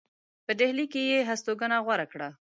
په ډهلي کې یې هستوګنه غوره کړه.